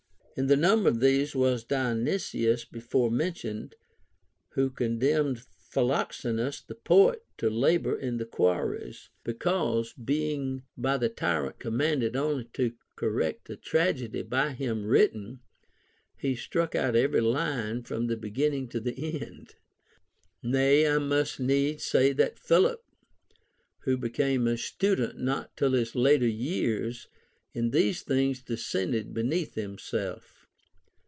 In the number of these was Dionysius before mentioned, who condemned Philoxenus the poet to labor in the quarries, because, being by the tyrant commanded only to correct a tragedy by him Avritten, he struck out every line from the beginning to the end. Nay, I must needs say that Philip, who became a student not till his latter years, in these things descended beneath himself.